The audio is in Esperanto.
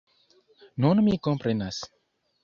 Nun mi komprenas!